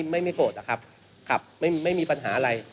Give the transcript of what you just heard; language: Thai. ไม่โกรธนะครับขับไม่มีปัญหาอะไร